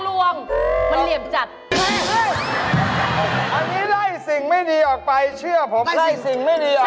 รูแก้วไคสทพี่ไม่ได้ให้เลือกราคาอยู่ที่๙๙